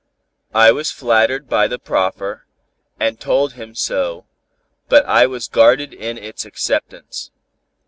I was flattered by the proffer, and told him so, but I was guarded in its acceptance.